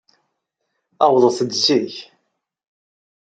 Awḍet-d zik.